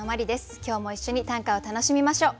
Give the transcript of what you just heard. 今日も一緒に短歌を楽しみましょう。